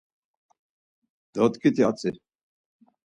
Dodgiti atzi.